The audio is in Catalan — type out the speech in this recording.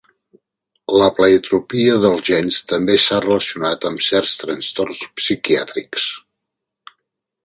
La pleiotropia dels gens també s'ha relacionat amb certs trastorns psiquiàtrics.